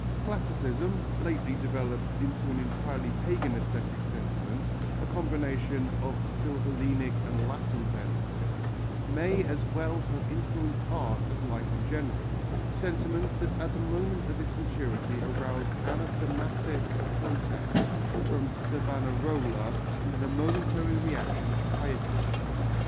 Classicism, lately developed into an entirely pagan æsthetic sentiment, a combination of Philhellenic and Latin tendencies, may as well have influenced art as life in general a sentiment that at the moment of its maturity aroused anathematic protest from Savonarola and a momentary reaction of pietism.